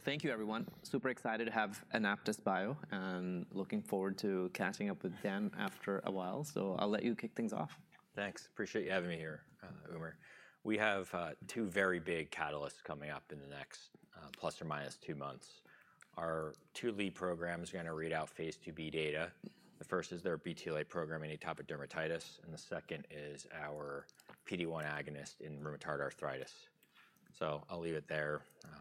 Thank you, everyone. Super excited to have AnaptysBio and looking forward to catching up with Dan after a while. I'll let you kick things off. Thanks. Appreciate you having me here, Umer. We have two very big catalysts coming up in the next plus or minus two months. Our two lead programs are going to read out phase IIb data. The first is their BTLA program in atopic dermatitis, and the second is our PD-1 agonist in rheumatoid arthritis. So I'll leave it there.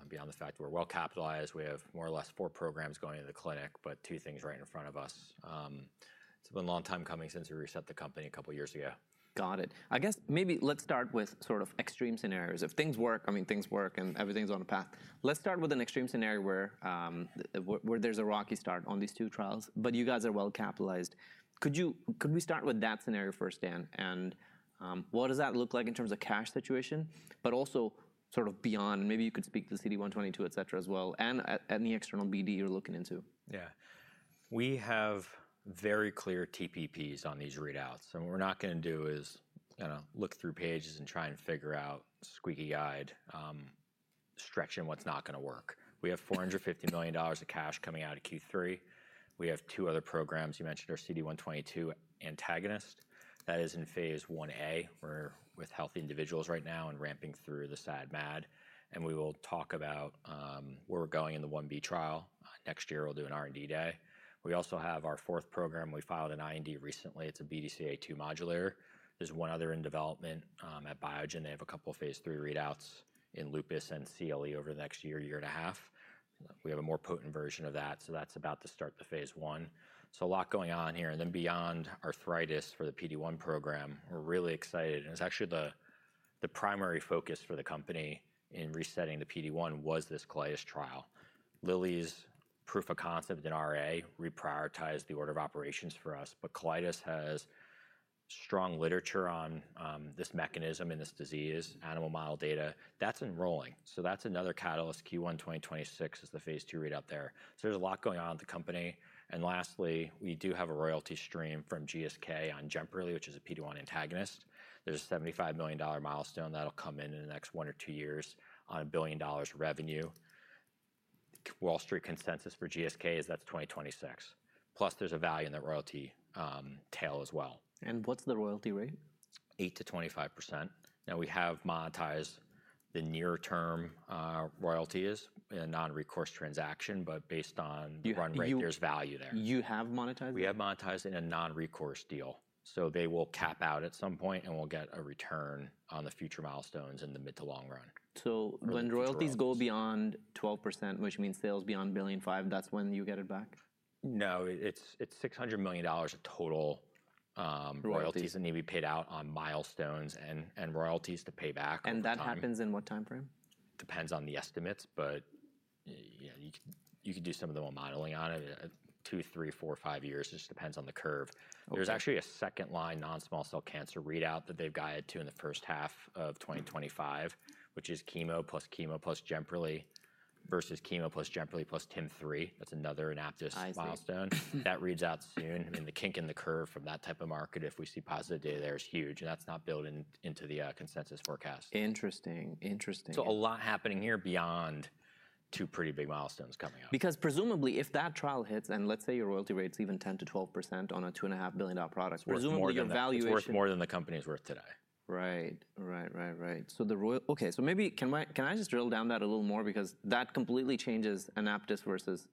Beyond the fact that we're well capitalized, we have more or less four programs going into the clinic, but two things right in front of us. It's been a long time coming since we reset the company a couple of years ago. Got it. I guess maybe let's start with sort of extreme scenarios. If things work, I mean, things work and everything's on a path. Let's start with an extreme scenario where there's a rocky start on these two trials, but you guys are well capitalized. Could we start with that scenario first, Dan, and what does that look like in terms of cash situation, but also sort of beyond? Maybe you could speak to the CD122, et cetera, as well, and any external BD you're looking into. Yeah. We have very clear TPPs on these readouts, and what we're not going to do is look through pages and try and figure out squinty-eyed stretching what's not going to work. We have $450 million of cash coming out of Q3. We have two other programs. You mentioned our CD122 antagonist. That is in phase Ia. We're with healthy individuals right now and ramping through the SAD-MAD, and we will talk about where we're going in the Ib trial. Next year, we'll do an R&D day. We also have our fourth program. We filed an IND recently. It's a BDCA2 modulator. There's one other in development at Biogen. They have a couple of phase III readouts in lupus and CLE over the next year, year and a half. We have a more potent version of that, so that's about to start the phase I. So a lot going on here. And then beyond arthritis for the PD-1 program, we're really excited. And it's actually the primary focus for the company. In resetting the PD-1 was this colitis trial. Lilly's proof of concept in RA reprioritized the order of operations for us. But colitis has strong literature on this mechanism in this disease, animal model data. That's enrolling. So that's another catalyst. Q1 2026 is the phase II readout there. So there's a lot going on at the company. And lastly, we do have a royalty stream from GSK on Jemperli, which is a PD-1 antagonist. There's a $75 million milestone that'll come in in the next one or two years on $1 billion revenue. Wall Street consensus for GSK is that's 2026. Plus, there's a value in the royalty tail as well. What's the royalty rate? Eight percent to twenty-five percent. Now, we have monetized the near-term royalties in a non-recourse transaction, but based on run rate year's value there. You have monetized? We have monetized in a non-recourse deal. So they will cap out at some point, and we'll get a return on the future milestones in the mid to long run. So when royalties go beyond 12%, which means sales beyond $1.5 billion, that's when you get it back? No, it's $600 million of total royalties that need to be paid out on milestones and royalties to pay back. That happens in what time frame? Depends on the estimates, but you can do some of the modeling on it. Two, three, four, five years. It just depends on the curve. There's actually a second-line non-small cell lung cancer readout that they've guided to in the first half of 2025, which is chemo plus chemo plus Jemperli versus chemo plus Jemperli plus TIM-3. That's another AnaptysBio milestone. That reads out soon. I mean, the kink in the curve from that type of market, if we see positive data there, is huge, and that's not built into the consensus forecast. Interesting. Interesting. So a lot happening here beyond two pretty big milestones coming up. Because presumably, if that trial hits and let's say your royalty rate's even 10%-12% on a $2.5 billion product, presumably the valuations. Worth more than the company is worth today. Right. So the ROI, okay. So maybe can I just drill down that a little more? Because that completely changes Anaptys versus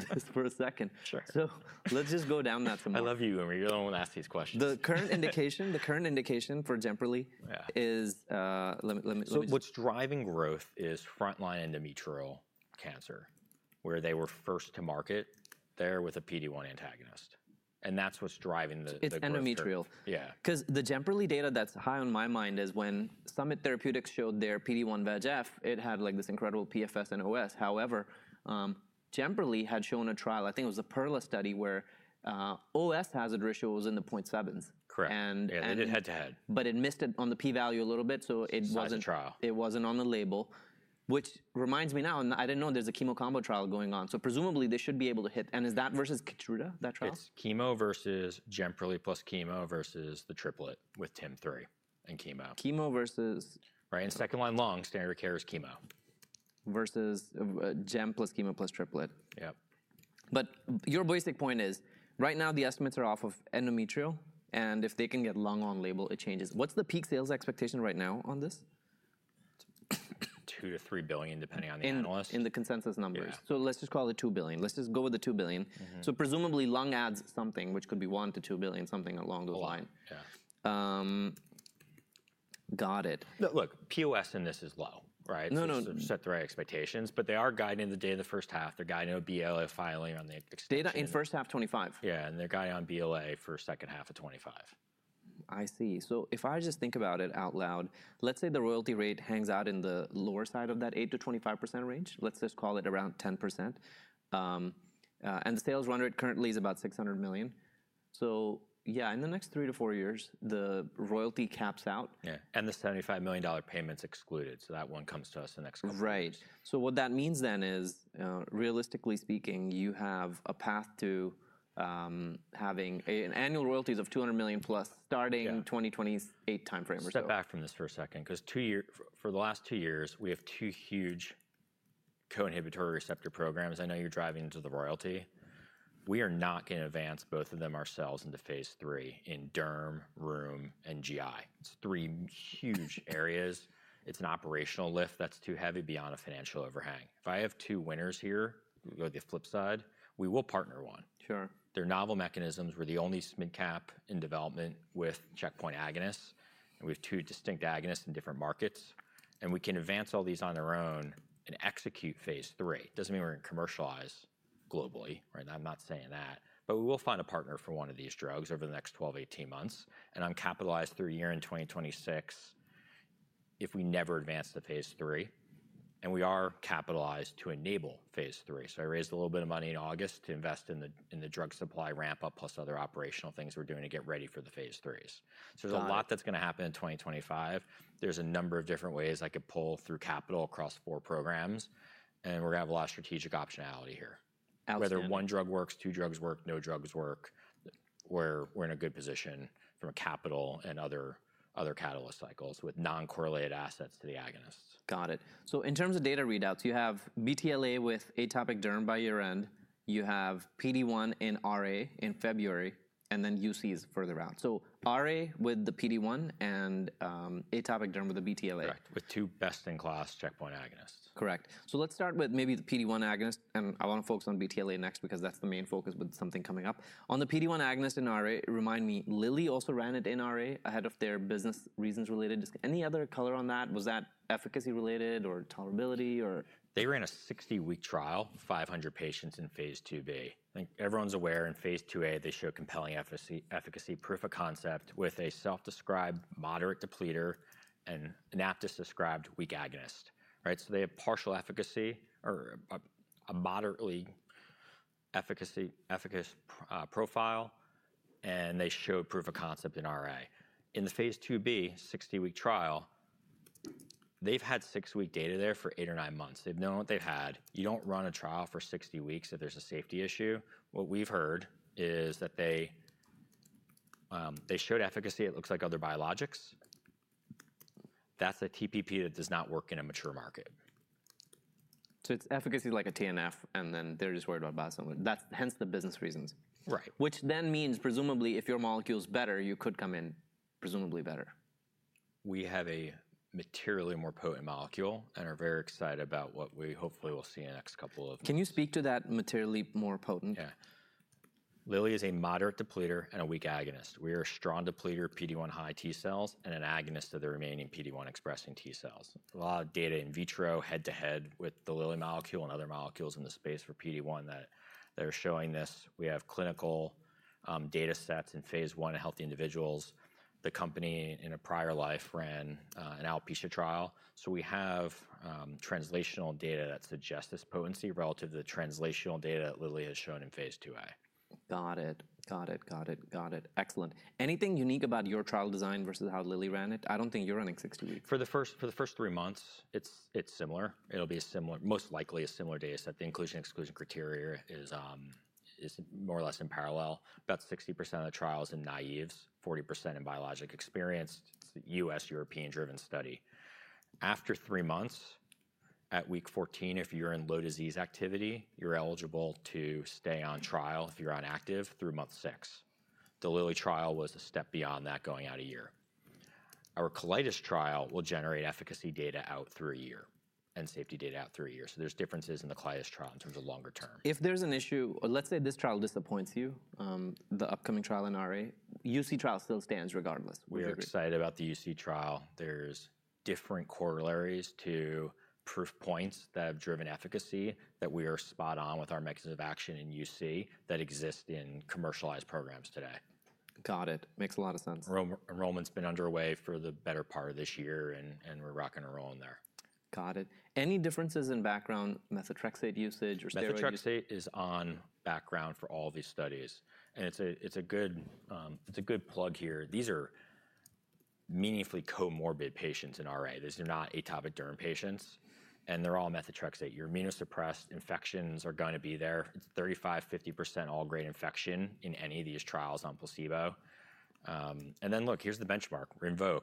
this for a second. So let's just go down that some more. I love you, Umer. You're the only one who asks these questions. The current indication for Jemperli is let me. So what's driving growth is frontline endometrial cancer, where they were first to market there with a PD-1 antagonist. And that's what's driving the growth. It's endometrial. Yeah. Because the Jemperli data that's high on my mind is when Summit Therapeutics showed their PD-1/VEGF, it had this incredible PFS and OS. However, Jemperli had shown a trial, I think it was a PERLA study, where OS hazard ratio was in the 0.7s. Correct. It hit head-to-head. But it missed it on the P-value a little bit. So it wasn't. That's the trial. It wasn't on the label. Which reminds me now, and I didn't know there's a chemo combo trial going on. So presumably, they should be able to hit. And is that versus Keytruda, that trial? It's chemo versus Jemperli plus chemo versus the triplet with TIM-3 and chemo. Chemo versus. Right, and second-line lung standard of care is chemo. Versus Jemperli plus chemo plus triplet. Yep. But your basic point is right now, the estimates are off of endometrial. And if they can get lung on label, it changes. What's the peak sales expectation right now on this? $2 billion-$3 billion, depending on the analyst. In the consensus numbers. So let's just call it $2 billion. Let's just go with the $2 billion. So presumably, lung adds something, which could be $1 billion-$2 billion, something along those lines. Yeah. Got it. Look, POS in this is low, right? No, no, no. To set the right expectations, but they are guiding the data in the first half. They're guiding a BLA filing on the. Data in first half 2025. Yeah, and they're guiding on BLA for second half of 2025. I see. So if I just think about it out loud, let's say the royalty rate hangs out in the lower side of that 8%-25% range. Let's just call it around 10%. And the sales run rate currently is about $600 million. So yeah, in the next three to four years, the royalty caps out. Yeah. And the $75 million payment's excluded. So that one comes to us the next quarter. Right. So what that means then is, realistically speaking, you have a path to having an annual royalties of $200+ million starting 2028 time frame or so. Step back from this for a second. Because for the last two years, we have two huge co-inhibitory receptor programs. I know you're driving into the royalty. We are not going to advance both of them ourselves into phase III in derm, rheum, and GI. It's three huge areas. It's an operational lift that's too heavy beyond a financial overhang. If I have two winners here, we go to the flip side, we will partner one. Sure. They're novel mechanisms. We're the only mid-cap in development with checkpoint agonists. And we have two distinct agonists in different markets. And we can advance all these on their own and execute phase III. It doesn't mean we're going to commercialize globally. I'm not saying that. But we will find a partner for one of these drugs over the next 12-18 months. And we're capitalized through the year in 2026 if we never advance to phase III. And we are capitalized to enable phase III. So I raised a little bit of money in August to invest in the drug supply ramp-up plus other operational things we're doing to get ready for the phase IIIs. So there's a lot that's going to happen in 2025. There's a number of different ways I could pull through capital across four programs. And we're going to have a lot of strategic optionality here. Outstanding. Whether one drug works, two drugs work, no drugs work, we're in a good position from a capital and other catalyst cycles with non-correlated assets to the agonists. Got it. So in terms of data readouts, you have BTLA with atopic derm by year-end. You have PD-1 in RA in February, and then UCs further out. So RA with the PD-1 and atopic derm with the BTLA. Correct. With two best-in-class checkpoint agonists. Correct, so let's start with maybe the PD-1 agonist, and I want to focus on BTLA next because that's the main focus with something coming up. On the PD-1 agonist in RA, remind me, Lilly also ran it in RA ahead of their business reasons related. Any other color on that? Was that efficacy related or tolerability or? They ran a 60-week trial, 500 patients in phase IIb. I think everyone's aware. In phase IIa, they showed compelling efficacy, proof of concept with a self-described moderate depleter and AnaptysBio described weak agonist. So they had partial efficacy or a moderate efficacy profile. They showed proof of concept in RA. In the phase IIb, 60-week trial, they've had six-week data there for eight or nine months. They've known what they've had. You don't run a trial for 60 weeks if there's a safety issue. What we've heard is that they showed efficacy. It looks like other biologics. That's a TPP that does not work in a mature market. So it's efficacy like a TNF, and then they're just worried about biosimilar hence the business reasons. Right. Which then means, presumably, if your molecule's better, you could come in presumably better. We have a materially more potent molecule and are very excited about what we hopefully will see in the next couple of. Can you speak to that materially more potent? Yeah. Lilly is a moderate depleter and a weak agonist. We are a strong depleter, PD-1-high T cells, and an agonist of the remaining PD-1-expressing T cells. A lot of data in vitro, head-to-head with the Lilly molecule and other molecules in the space for PD-1 that are showing this. We have clinical data sets in phase I in healthy individuals. The company, in a prior life, ran an alopecia trial. So we have translational data that suggests this potency relative to the translational data that Lilly has shown in phase IIa. Got it. Excellent. Anything unique about your trial design versus how Lilly ran it? I don't think you're running 60 weeks. For the first three months, it's similar. It'll be a similar, most likely a similar data set. The inclusion and exclusion criteria is more or less in parallel. About 60% of the trials in naives, 40% in biologic experienced. It's a U.S. Europe-driven study. After three months, at week 14, if you're in low disease activity, you're eligible to stay on trial if you're on active through month six. The Lilly trial was a step beyond that, going out a year. Our colitis trial will generate efficacy data out through a year and safety data out through a year. So there's differences in the colitis trial in terms of longer term. If there's an issue, let's say this trial disappoints you, the upcoming trial in RA, UC trial still stands regardless. We're excited about the UC trial. There's different corollaries to proof points that have driven efficacy that we are spot on with our mechanism of action in UC that exist in commercialized programs today. Got it. Makes a lot of sense. Enrollment's been underway for the better part of this year, and we're rocking and rolling there. Got it. Any differences in background methotrexate usage or steroids? Methotrexate is on background for all these studies, and it's a good plug here. These are meaningfully comorbid patients in RA. These are not atopic derm patients, and they're all methotrexate. Your immunosuppressed infections are going to be there. It's 35%, 50% all-grade infection in any of these trials on placebo, and then, look, here's the benchmark. Rinvoq,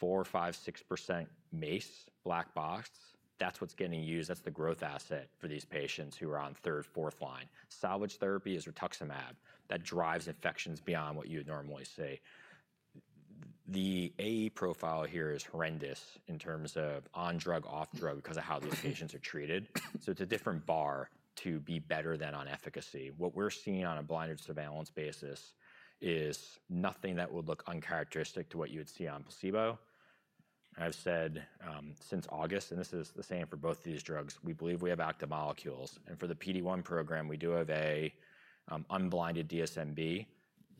4%, 5%, 6% MACE, black box. That's what's getting used. That's the growth asset for these patients who are on third, fourth line. Salvage therapy is rituximab. That drives infections beyond what you'd normally see. The AE profile here is horrendous in terms of on-drug, off-drug because of how these patients are treated, so it's a different bar to be better than on efficacy. What we're seeing on a blinded surveillance basis is nothing that would look uncharacteristic to what you would see on placebo. I've said since August, and this is the same for both of these drugs, we believe we have active molecules, and for the PD-1 program, we do have an unblinded DSMB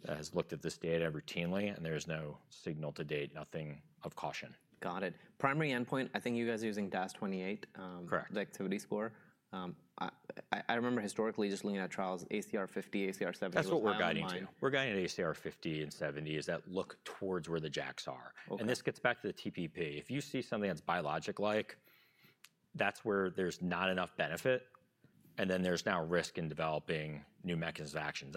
that has looked at this data routinely, and there is no signal to date, nothing of caution. Got it. Primary endpoint, I think you guys are using DAS28. Correct. The activity score. I remember historically just looking at trials, ACR 50, ACR 70. That's what we're guiding to. We're guiding to ACR 50 and 70. That looks towards where the JAKs are. And this gets back to the TPP. If you see something that's biologic-like, that's where there's not enough benefit. And then there's now risk in developing new mechanisms of action.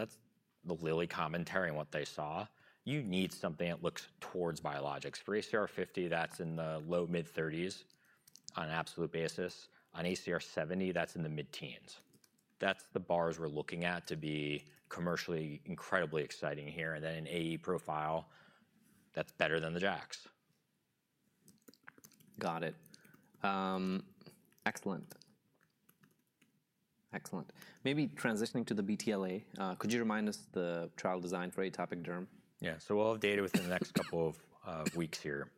That's the Lilly commentary and what they saw. You need something that looks towards biologics. For ACR 50, that's in the low mid-30s on an absolute basis. On ACR 70, that's in the mid-teens. That's the bars we're looking at to be commercially incredibly exciting here. And then an AE profile that's better than the JAKs. Got it. Excellent. Excellent. Maybe transitioning to the BTLA, could you remind us the trial design for atopic derm? Yeah. So we'll have data within the next couple of weeks here.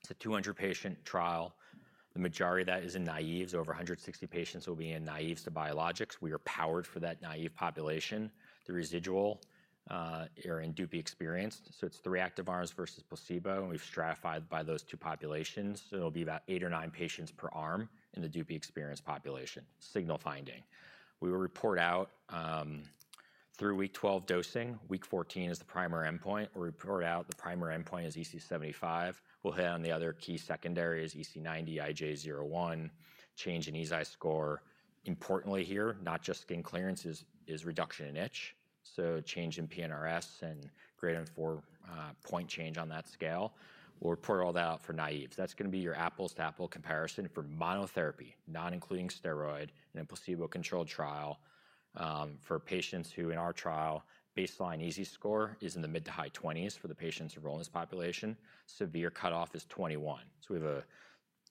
It's a 200-patient trial. The majority of that is in naives. Over 160 patients will be in naives to biologics. We are powered for that naive population. The residual are in dupi experienced. So it's three active arms versus placebo. And we've stratified by those two populations. So it'll be about eight or nine patients per arm in the dupi experienced population. Signal finding. We will report out through week 12 dosing. Week 14 is the primary endpoint. We'll report out the primary endpoint as EC75. We'll hit on the other key secondary as EC90, IGA 0/1, change in EASI score. Importantly here, not just skin clearance, is reduction in itch. So change in PNRS and greater than four-point change on that scale. We'll report all that out for naives. That's going to be your apples-to-apples comparison for monotherapy, non-including steroid, and a placebo-controlled trial. For patients who in our trial, baseline EASI score is in the mid to high 20s for the patients enrolled in this population. Severe cutoff is 21. So we have a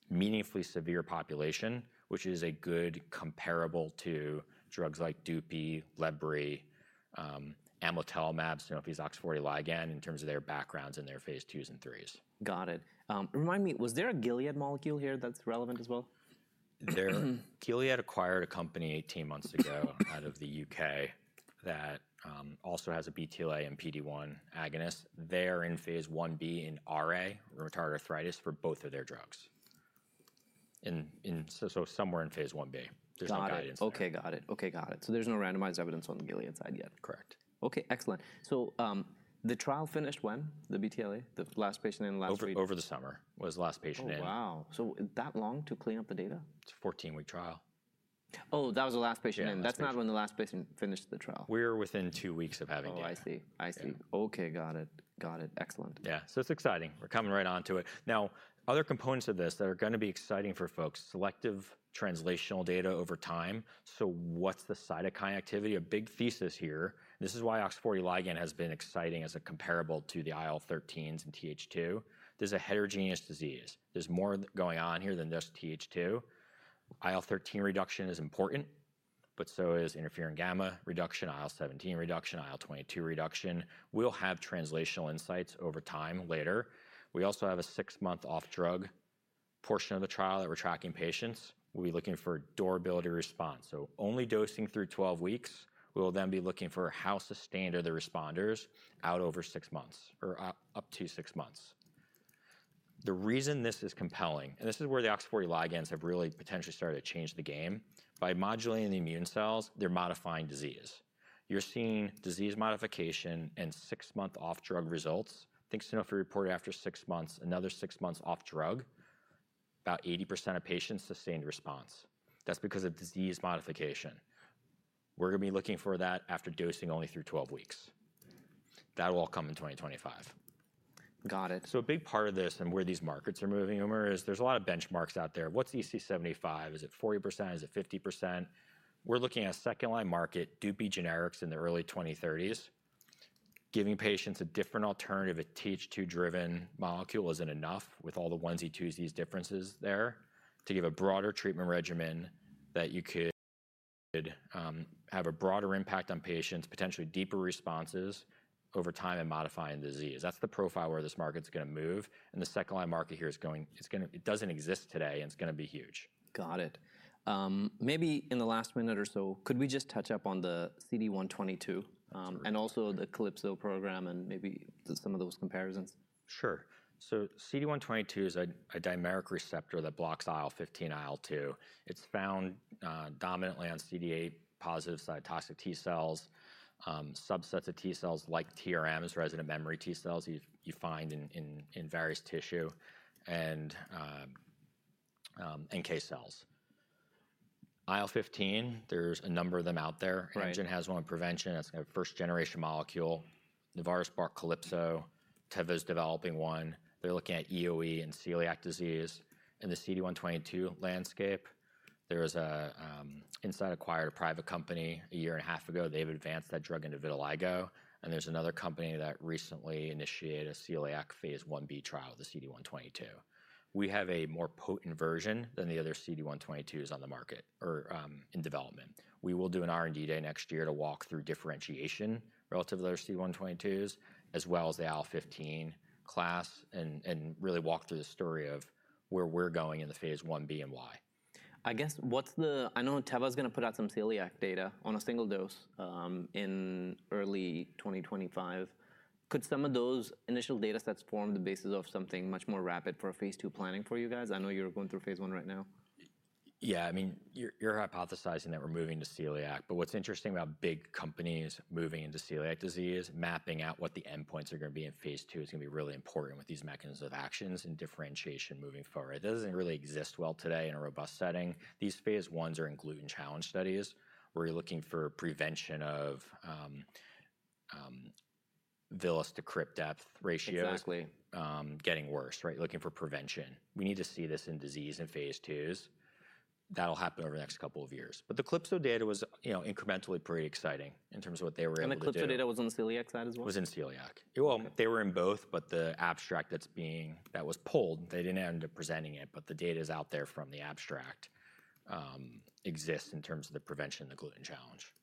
meaningfully severe population, which is a good comparable to drugs like dupi, lebri, amlitelimab, Sanofi's OX40-ligand in terms of their backgrounds in their phase IIs and IIIs. Got it. Remind me, was there a Gilead molecule here that's relevant as well? Gilead acquired a company 18 months ago out of the U.K. that also has a BTLA and PD-1 agonist. They are in phase Ib in RA, rheumatoid arthritis, for both of their drugs. So somewhere in phase Ib. There's no guidance there. Got it. Okay. So there's no randomized evidence on the Gilead side yet. Correct. Okay. Excellent. So the trial finished when? The BTLA, the last patient in, last week? Over the summer was the last patient in. Oh, wow. So that long to clean up the data? It's a 14-week trial. Oh, that was the last patient in. Yeah. That's not when the last patient finished the trial. We're within two weeks of having data. Oh, I see. I see. Okay. Got it. Got it. Excellent. Yeah. So it's exciting. We're coming right onto it. Now, other components of this that are going to be exciting for folks, selective translational data over time. So what's the cytokine activity? A big thesis here. This is why OX40-ligand has been exciting as a comparable to the IL-13s and TH2. This is a heterogeneous disease. There's more going on here than just TH2. IL-13 reduction is important, but so is interferon gamma reduction, IL-17 reduction, IL-22 reduction. We'll have translational insights over time later. We also have a six-month off-drug portion of the trial that we're tracking patients. We'll be looking for durability response. So only dosing through 12 weeks. We'll then be looking for how sustained are the responders out over six months or up to six months. The reason this is compelling, and this is where the OX40-ligands have really potentially started to change the game. By modulating the immune cells, they're modifying disease. You're seeing disease modification and six-month off-drug results. Sanofi reported after six months, another six months off-drug, about 80% of patients sustained response. That's because of disease modification. We're going to be looking for that after dosing only through 12 weeks. That'll all come in 2025. Got it. So a big part of this and where these markets are moving, Umer, is there's a lot of benchmarks out there. What's EC75? Is it 40%? Is it 50%? We're looking at a second-line market, dupi generics in the early 2030s. Giving patients a different alternative, a TH2-driven molecule isn't enough with all the onesie, twosies differences there to give a broader treatment regimen that you could have a broader impact on patients, potentially deeper responses over time and modifying disease. That's the profile where this market's going to move, and the second-line market here is going to. It doesn't exist today, and it's going to be huge. Got it. Maybe in the last minute or so, could we just touch up on the CD122 and also the Calypso program and maybe some of those comparisons? Sure. So CD122 is a dimeric receptor that blocks IL-15, IL-2. It's found dominantly on CD8-positive cytotoxic T cells, subsets of T cells like TRMs, resident memory T cells you find in various tissue, and NK cells. IL-15, there's a number of them out there. Amgen has one prevention. That's a first-generation molecule. Novartis, Calypso, Teva's is developing one. They're looking at EOE and celiac disease. In the CD122 landscape, there's Incyte acquired a private company a year and a half ago. They've advanced that drug into vitiligo. And there's another company that recently initiated a celiac phase Ib trial with the CD122. We have a more potent version than the other CD122s on the market or in development. We will do an R&D day next year to walk through differentiation relative to other CD122s, as well as the IL-15 class, and really walk through the story of where we're going in the phase Ib and why. I guess what's the. I know Teva is going to put out some celiac data on a single dose in early 2025. Could some of those initial data sets form the basis of something much more rapid for a phase II planning for you guys? I know you're going through phase I right now. Yeah. I mean, you're hypothesizing that we're moving to celiac. But what's interesting about big companies moving into celiac disease, mapping out what the endpoints are going to be in phase II is going to be really important with these mechanisms of actions and differentiation moving forward. It doesn't really exist well today in a robust setting. These phase Is are in gluten challenge studies where you're looking for prevention of villus-to-crypt depth ratios. Exactly. Getting worse, right? Looking for prevention. We need to see this in disease and phase IIs. That'll happen over the next couple of years. But the Calypso data was incrementally pretty exciting in terms of what they were able to do. The Calypso data was on the celiac side as well? It was in celiac. Well, they were in both, but the abstract that was pulled. They didn't end up presenting it. But the data is out there from the abstract. It exists in terms of the prevention and the gluten challenge.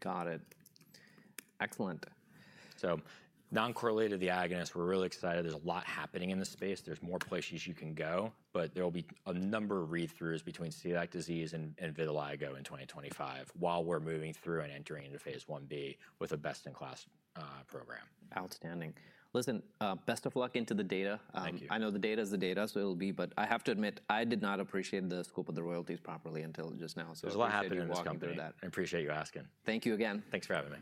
Got it. Excellent. Non-correlated the agonists, we're really excited. There's a lot happening in this space. There's more places you can go. But there will be a number of read-throughs between celiac disease and vitiligo in 2025 while we're moving through and entering into phase Ib with a best-in-class program. Outstanding. Listen, best of luck into the data. Thank you. I know the data is the data, so it'll be. But I have to admit, I did not appreciate the scope of the royalties properly until just now. There's a lot happening in this company. So we'll come through that. I appreciate you asking. Thank you again. Thanks for having me.